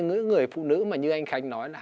người phụ nữ mà như anh khánh nói là